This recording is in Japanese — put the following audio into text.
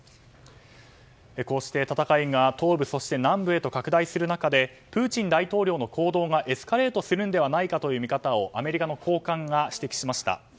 こうして戦いが東部、南部へ拡大する中プーチン大統領の行動がエスカレートするのではないかという見方をアメリカの高官が指摘しました。